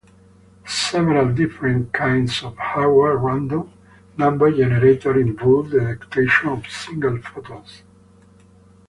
Several different kinds of hardware random number generators involve the detection of single photons.